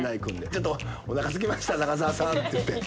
「ちょっとお腹すきました長澤さん」って言って。